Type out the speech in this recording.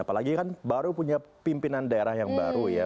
apalagi kan baru punya pimpinan daerah yang baru ya